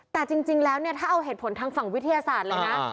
แต่จริงแล้วเนี่ยถ้าเอาเหตุผลทางฝั่งวิทยาศาสตร์เลยนะ